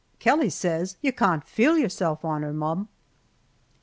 Kelly says, "Yer cawn't feel yerse'f on her, mum."